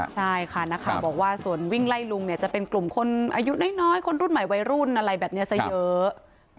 ใช่ค่ะนักข่าวบอกว่าส่วนวิ่งไล่ลุงเนี่ยจะเป็นกลุ่มคนอายุน้อยคนรุ่นใหม่วัยรุ่นอะไรแบบนี้ซะเยอะ